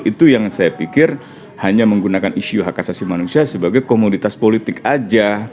itu yang saya pikir hanya menggunakan isu hak asasi manusia sebagai komoditas politik saja